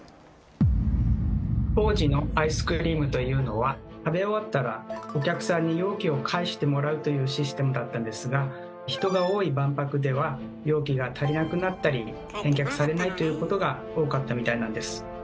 当時のアイスクリームというのは食べ終わったらお客さんに容器を返してもらうというシステムだったんですが人が多い万博では容器が足りなくなったり返却されないということが多かったみたいなんです。